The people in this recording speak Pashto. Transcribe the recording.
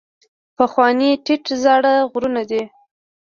پخواني ټیټ زاړه غرونه دي.